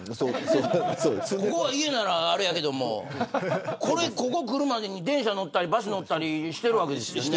ここが家ならあれやけどもここに来るまでに電車に乗ったり、バスに乗ったりしているわけですよね。